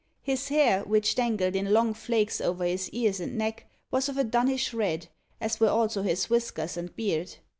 His hair, which dangled in long flakes over his ears and neck, was of a dunnish red, as were also his whiskers and beard.